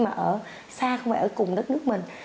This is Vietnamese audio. mà ở xa không phải ở cùng đất nước mình